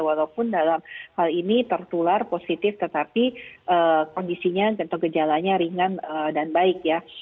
walaupun dalam hal ini tertular positif tetapi kondisinya atau gejalanya ringan dan baik ya